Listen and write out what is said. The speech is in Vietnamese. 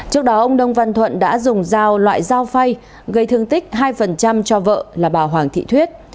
trước đó ông nông văn thuận đã dùng dao loại dao phay gây thương tích hai cho vợ là bà hoàng thị thuyết